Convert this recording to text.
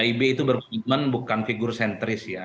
kib itu berkomitmen bukan figur sentris ya